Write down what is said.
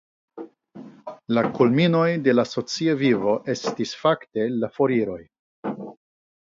La kulminoj de la socia vivo estis fakte la foiroj.